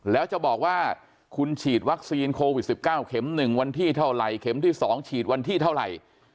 แล้วจะบอกว่าคุณฉีดวัคซีนโควิด๑๙เข็ม๑วันที่เท่าไหร่เข็มที่๒ฉีดวันที่เท่าไหร่